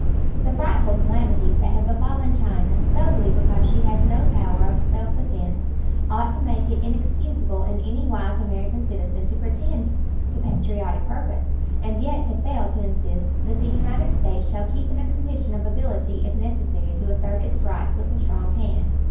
The frightful calamities that have befallen China, solely because she has had no power of self defense, ought to make it inexcusable in any wise American citizen to pretend to patriotic purpose, and yet to fail to insist that the United States shall keep in a condition of ability if necessary to assert its rights with a strong hand.